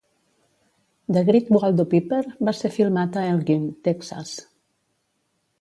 "The Great Waldo Pepper" va ser filmat a Elgin, Texas.